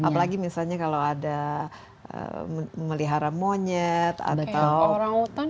apalagi misalnya kalau ada memelihara monyet atau orang orang tan